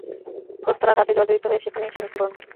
প্রস্তরাঘাতে জর্জরিত হয়ে সেখানেই সে মৃত্যুবরণ করে।